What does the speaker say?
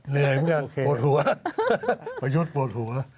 เหนื่อยเหมือนกันปวดหัวประยุทธ์ปวดหัว